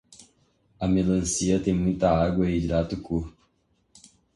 A melancia tem muita água e hidrata o corpo.